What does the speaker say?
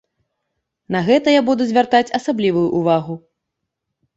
На гэта я буду звяртаць асаблівую ўвагу.